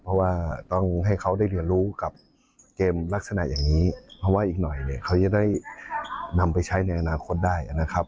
เพราะว่าต้องให้เขาได้เรียนรู้กับเกมลักษณะอย่างนี้เพราะว่าอีกหน่อยเนี่ยเขาจะได้นำไปใช้ในอนาคตได้นะครับ